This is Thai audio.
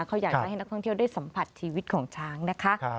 เขาอยากจะให้นักท่องเที่ยวได้สัมผัสชีวิตของช้างนะคะ